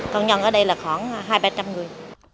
công nhân ở đây là khoảng hai trăm linh ba trăm linh người